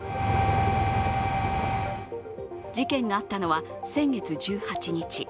事件があったのは先月１８日。